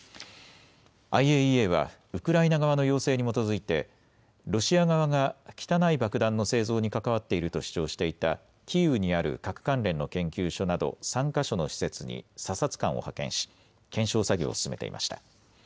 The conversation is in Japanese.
ＩＡＥＡはウクライナ側の要請に基づいてロシア側が汚い爆弾の製造に関わっていると主張していたキーウにある核関連の研究所など３か所の施設に査察官を派遣し検証作業を進めていました。